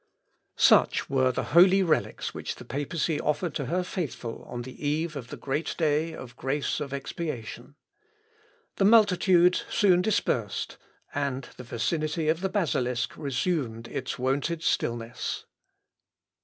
Such were the holy relics which the papacy offered to her faithful on the eve of the great day of grace of expiation. The multitude soon dispersed, and the vicinity of the Basilisk resumed its wonted stillness.